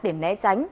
để né tránh